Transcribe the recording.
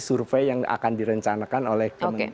survei yang akan direncanakan oleh